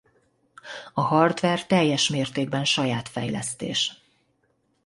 A hardver teljes mértékben saját fejlesztés.